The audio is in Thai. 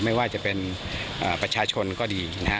ไม่ว่าจะเป็นประชาชนก็ดีนะฮะ